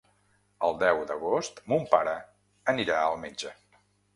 El deu d'agost mon pare anirà al metge.